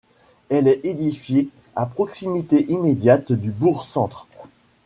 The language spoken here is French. Elle est édifiée à proximité immédiate du bourg centre.